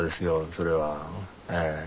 それはええ。